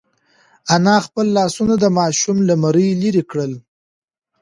انا خپل لاسونه د ماشوم له مرۍ لرې کړل.